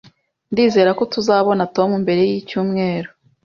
Ndizera ko tuzabona Tom mbere yicyumweru